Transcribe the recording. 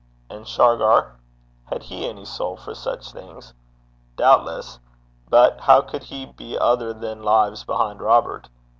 And Shargar had he any soul for such things? Doubtless; but how could he be other than lives behind Robert?